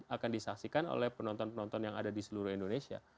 akan disaksikan oleh penonton penonton yang ada di seluruh indonesia